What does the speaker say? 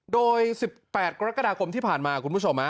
โดย๑๘กรกฎาคมที่ผ่านมาคุณผู้ชม